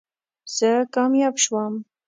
زه کامیاب شوم